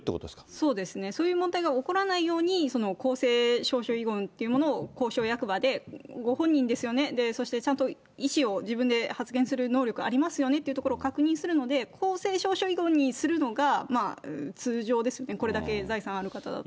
そうですね、そういう問題が起こらないように、公正証書遺言というものを公証役場で、ご本人ですよね、そしてちゃんと意思を自分で発言する能力ありますよねというところを確認するので、公正証書遺言にするのが通常ですね、これだけ財産ある方だと。